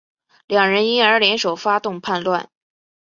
两人因而联手发动叛乱。